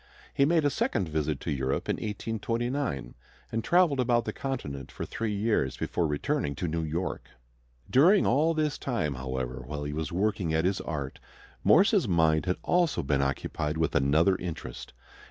He made a second visit to Europe in 1829, and traveled about the Continent for three years before returning to New York. During all this time, however, while he was working at his art, Morse's mind had also been occupied with another interest.